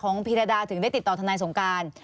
พีรดาถึงได้ติดต่อทนายสงการ